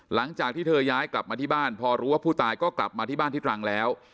หลังจากที่เธอย้ายกลับมาที่บ้านพอรู้ว่าผู้ตายก็กลับมาที่บ้านที่ตรังแล้ว